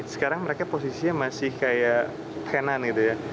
sekarang mereka posisinya masih kayak kenan gitu ya